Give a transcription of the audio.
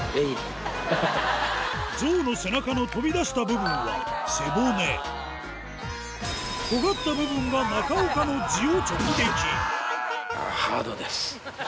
ゾウの背中の飛び出した部分はとがった部分が中岡の痔を直撃